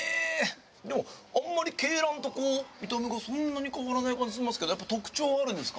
でもあんまり鶏卵とこう見た目がそんなに変わらない感じしますけどやっぱり特徴あるんですか？